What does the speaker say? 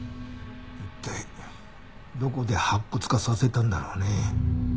一体どこで白骨化させたんだろうね。